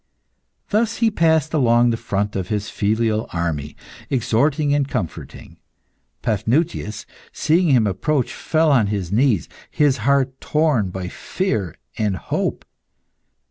Thus he passed along the front of his filial army, exhorting and comforting. Paphnutius, seeing him approach, fell on his knees, his heart torn by fear and hope.